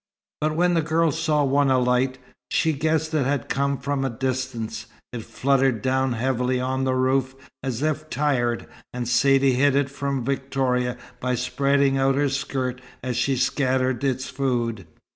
But when the girl saw one alight, she guessed it had come from a distance. It fluttered down heavily on the roof, as if tired, and Saidee hid it from Victoria by spreading out her skirt as she scattered its food.